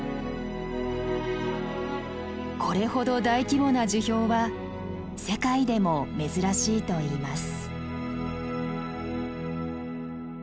これほど大規模な樹氷は世界でも珍しいといいます。